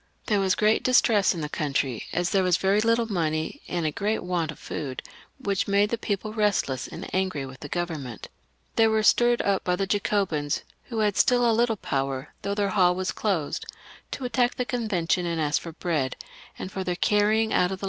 There was great distress in the country, as there was very little money and a great want of food, which made the people restless and angry with the Government They were stirred up by the Jacobins, who had still a little power, though their hall was closed, to attack the Conven tion and ask for bread, and for the carrying out of the 422 DIRECTORY AND CONSULATE.